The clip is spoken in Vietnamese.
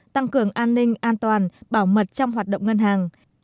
tăng cường an ninh an toàn bảo mật trong hoạt động ngân hàng